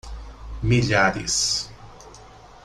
Milhares